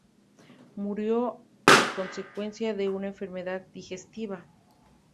Murió a consecuencia de una enfermedad digestiva.